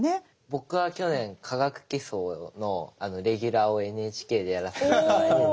僕は去年「化学基礎」のレギュラーをＮＨＫでやらせて頂いてて。